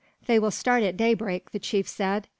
"They will start at daybreak," the chief said.